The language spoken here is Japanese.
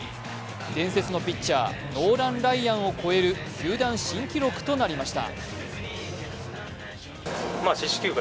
伝説のピッチャー、ノーラン・ライアンを超える球団新記録となりました。